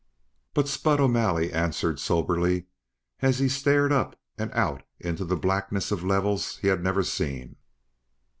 But Spud O'Malley answered soberly as he stared up and out into the blackness of levels he had never seen.